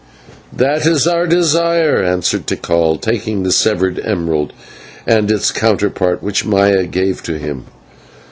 "That is our desire," answered Tikal, taking the severed emerald and its counterpart which Maya gave to him.